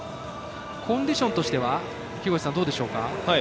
コンディションとしては木越さん、どうでしょうか？